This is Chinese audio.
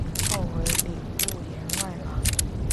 召为礼部员外郎。